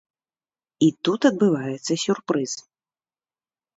І тут адбываецца сюрпрыз.